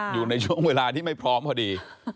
อยู่ในช่วงเวลาที่ไม่พร้อมพอดี